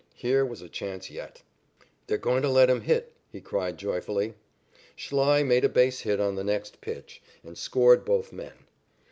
Here was a chance yet. "They're going to let him hit," he cried joyfully. Schlei made a base hit on the next pitch and scored both men.